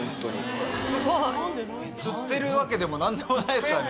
吊ってるわけでも何でもないですからね。